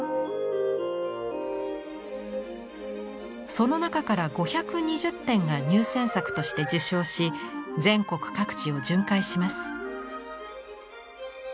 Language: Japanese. その中から５２０点が入選作として受賞し全国各地を巡回します。